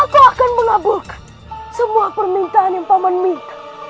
aku akan mengaburkan semua permintaan yang paman minta